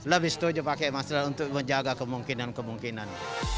lebih setuju pakai masker untuk menjaga kemungkinan kemungkinan